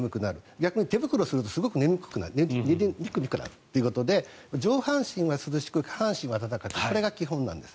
逆に手袋をするとすごく寝にくくなるということで上半身が涼しく下半身は温かくこれが基本なんです。